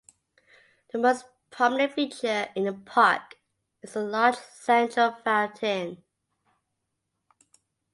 The most prominent feature in the park is the large central fountain.